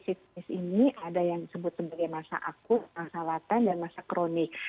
jadi penyakit ini ada yang disebut sebagai masa akut masa latan dan masa kronik